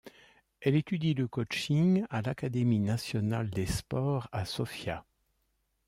Elle étudie le coaching à l'Académie nationale des sports à Sofia.